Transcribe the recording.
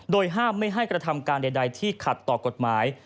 โดยห้ามไม่ให้กระทำการใดที่ขัดต่อกฎหมาย